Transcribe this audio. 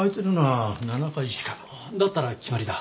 だったら決まりだ。